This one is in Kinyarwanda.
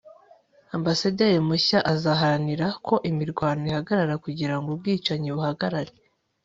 ambasaderi mushya azaharanira ko imirwano ihagarara kugira ngo ubwicanyi buhagarare